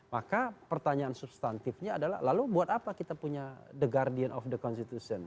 maka pertanyaan substantifnya adalah lalu buat apa kita punya the guardian of the constitution